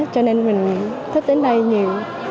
cho nên mình thích đến đây nhiều